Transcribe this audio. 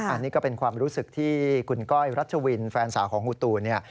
อันนี้ก็เป็นความรู้สึกที่คุณก้อยรัชวินแฟนสาวของคุณตูนเนี่ย